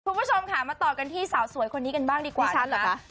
คุณผู้ชมค่ะมาต่อกันที่สาวสวยคนนี้กันบ้างดีกว่าฉันเหรอคะ